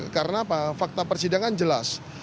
karena apa fakta persidangan jelas